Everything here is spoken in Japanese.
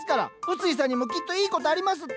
薄井さんにもきっといいことありますって！